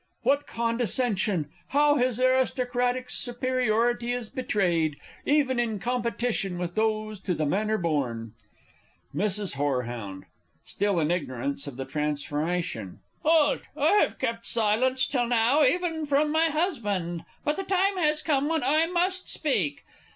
_ What condescension! How his aristocratic superiority is betrayed, even in competition with those to the manner born! Mrs. Horeh. (still in ignorance of the transformation). Halt! I have kept silence till now even from my husband, but the time has come when I must speak.